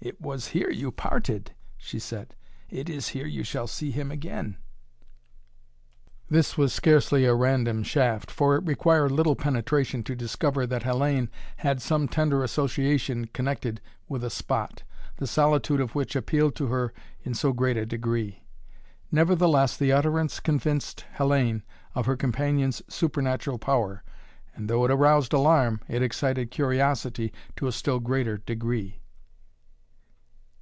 "It was here you parted," she said. "It is here you shall see him again." This was scarcely a random shaft, for it required little penetration to discover that Hellayne had some tender association connected with a spot, the solitude of which appealed to her in so great a degree. Nevertheless the utterance convinced Hellayne of her companion's supernatural power and, though it roused alarm, it excited curiosity to a still greater degree.